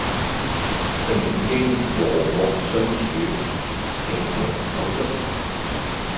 誠應和睦相處，情同手足